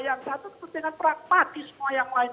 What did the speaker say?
yang satu terkait dengan pragmatisme yang lain